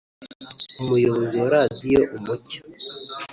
Umuyobozi wa Radiyo Umucyo